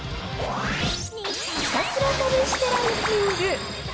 ひたすら試してランキング。